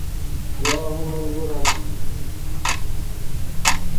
Já ho nezradím.